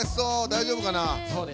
大丈夫かな。